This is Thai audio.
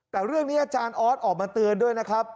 แต่เรื่องนี้อาจารย์ออสออกมาเตือนด้วยนะครับ